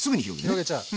広げちゃう。